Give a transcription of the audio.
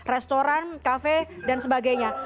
restoran cafe dan sebagainya